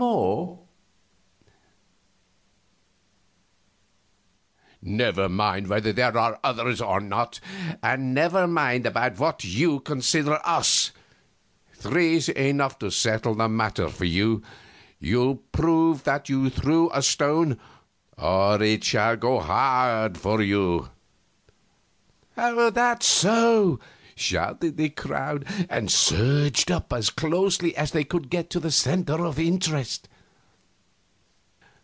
"Never mind whether there are others or not, and never mind about what you consider us three's enough to settle your matter for you. You'll prove that you threw a stone, or it shall go hard with you." "That's so!" shouted the crowd, and surged up as closely as they could to the center of interest.